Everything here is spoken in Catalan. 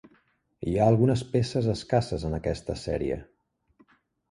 Hi ha algunes peces escasses en aquesta sèrie.